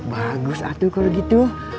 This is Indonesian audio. bagus atur kalau gitu